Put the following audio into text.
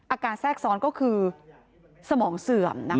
อาการแทรกซ้อนก็คือสมองเสื่อมนะคะ